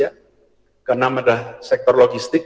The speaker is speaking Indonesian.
yang keenam adalah sektor logistik